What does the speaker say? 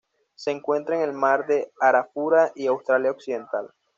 Se encuentra en el Mar de Arafura y Australia Occidental.